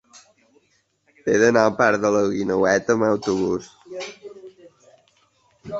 He d'anar al parc de la Guineueta amb autobús.